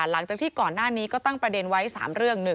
หลังจากที่ก่อนหน้านี้ก็ตั้งประเด็นไว้๓เรื่อง